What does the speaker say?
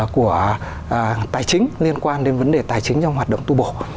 của tài chính liên quan đến vấn đề tài chính trong hoạt động tu bổ